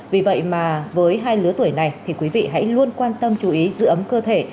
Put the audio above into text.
vì vậy mà với hai lứa tuổi này thì quý vị hãy luôn quan tâm chú ý giữ ấm cơ thể